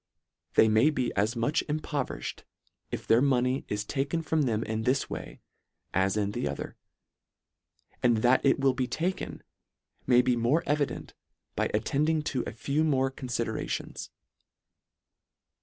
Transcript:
They may be as much impoverished if their money is taken from them in this way, as in the other ; and that it will be taken, may be more evi dent, by attending to a few more confidera tions.